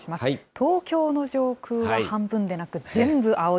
東京の上空は半分でなく、全部青い。